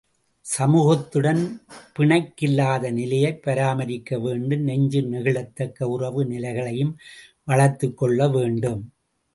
சமூகத்துடன் பிணக்கிலாத நிலையைப் பராமரிக்க வேண்டும் நெஞ்சு நெகிழத்தக்க உறவு நிலைகளையும் வளர்த்துக்கொள்ள வேண்டும்.